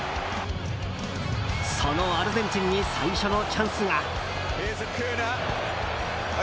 そのアルゼンチンに最初のチャンスが。